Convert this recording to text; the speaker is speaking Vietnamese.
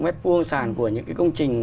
mét vuông sàn của những cái công trình